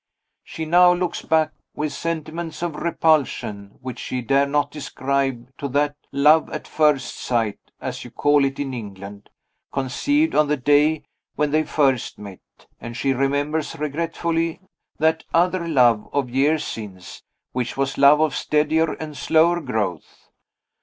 She now looks back with sentiments of repulsion, which she dare not describe, to that 'love at first sight' (as you call it in England), conceived on the day when they first met and she remembers regretfully that other love, of years since, which was love of steadier and slower growth.